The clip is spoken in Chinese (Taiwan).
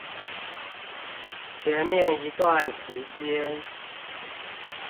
前面一段時間